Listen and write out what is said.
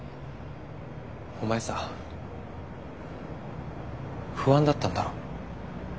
お前さ不安だったんだろ。